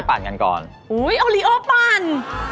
แช่น้ำมะนาวเรียบร้อย